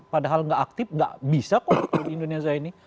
padahal tidak aktif tidak bisa kok di indonesia ini